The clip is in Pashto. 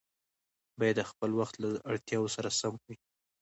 باید د خپل وخت له اړتیاوو سره سم وي.